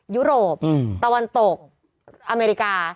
ยุโรปตะวันตกอเมริกา